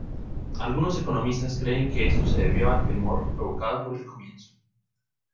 Algunos economistas creen que esto se debió al temor provocado por el comienzo.